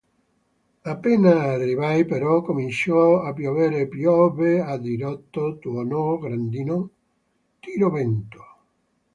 Appena arrivai, però, cominciò a piovere: piovve a dirotto, tuonò, grandinò, tiro vento.